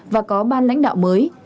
và có ban lãnh đạo mới